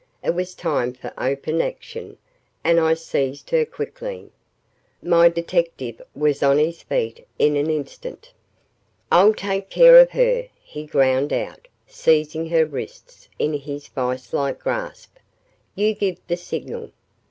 It was time for open action, and I seized her quickly. My detective was on his feet in an instant. "I'll take care of her," he ground out, seizing her wrists in his vice like grasp. "You give the signal."